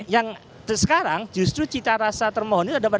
yang sekarang justru di dalam sengketa pilpres ini itu kan pemohon dengan termohon